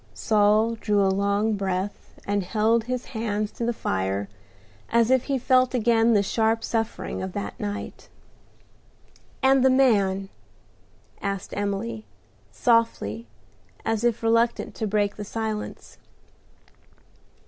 Saul drew a long breath, and held his hands to the fire as if he felt again the sharp suffering of that night. "And the man?" asked Emily, softly, as if reluctant to break the silence.